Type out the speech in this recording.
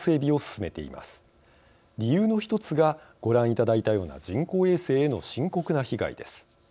理由のひとつがご覧いただいたような人工衛星への深刻な被害です。